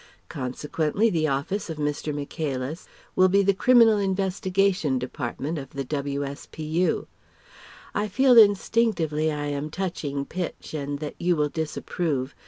Consequently the office of Mr. Michaelis will be the Criminal Investigation Department of the W.S.P.U. I feel instinctively I am touching pitch and that you will disapprove